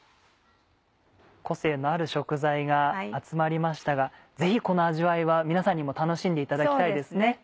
個性のある食材が集まりましたがぜひこの味わいは皆さんにも楽しんでいただきたいですね。